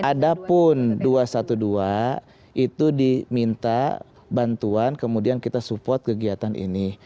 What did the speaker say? ada pun dua ratus dua belas itu diminta bantuan kemudian kita support kegiatan ini